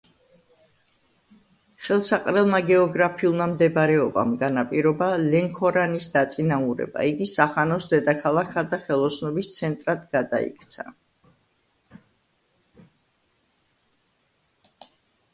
ხელსაყრელმა გეოგრაფიულმა მდებარეობამ განაპირობა ლენქორანის დაწინაურება; იგი სახანოს დედაქალაქად და ხელოსნობის ცენტრად გადაიქცა.